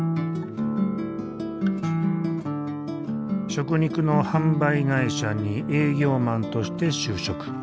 食肉の販売会社に営業マンとして就職。